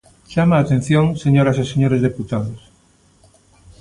Chama a atención, señoras e señores deputados.